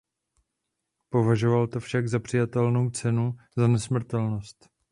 Považoval to však za přijatelnou cenu za nesmrtelnost.